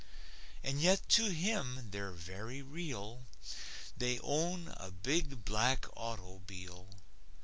And yet to him they're very real. They own a big black auto'bile.